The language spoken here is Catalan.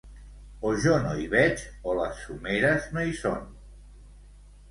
O jo no hi veig, o les someres no hi són.